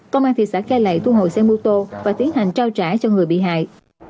công an thị xã cai lệ thu hồi xe mô tô và tiến hành trao trả cho người bị hại